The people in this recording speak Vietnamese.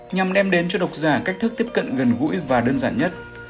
nhằm đem đến cho độc giả cách thức tiếp cận gần gũi và đơn giản nhất